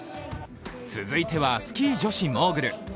続いては、スキー女子モーグル。